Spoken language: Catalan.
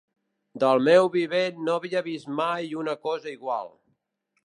Del meu vivent no havia vist mai una cosa igual.